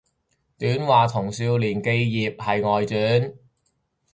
短話同少年寄葉係外傳